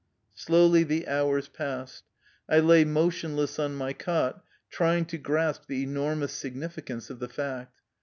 Slowly the hours passed. I lay motionless on my cot, trying to grasp the enormous signifi cance of the fact.